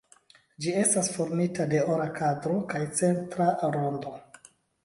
Ĝi estas formita de ora kadro kaj centra rondo.